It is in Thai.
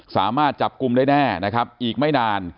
สามารถจับกลุ่มได้แน่นะครับอีกไม่นาน